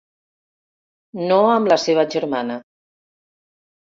No amb la seva germana.